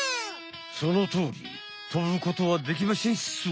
そのとおりとぶことはできましぇんっす！